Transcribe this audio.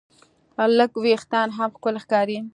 لږ وېښتيان هم ښکلي ښکاري.